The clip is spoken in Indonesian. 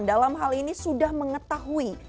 dalam hal ini sudah mengetahui